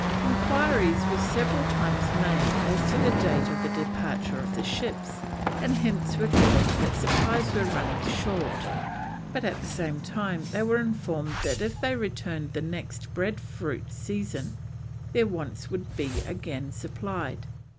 Enquiries were several times made as to the date of the departure of the ships, and hints were given that supplies were running short; but at the same time they were informed that if they returned the next bread fruit season, their wants should be again supplied.